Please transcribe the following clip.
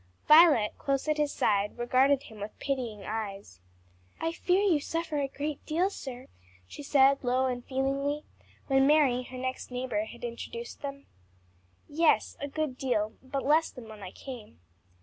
Violet, close at his side, regarded him with pitying eyes. "I fear you suffer a great deal, sir," she said, low and feelingly, when Mary, her next neighbor, had introduced them. "Yes, a good deal, but less than when I came."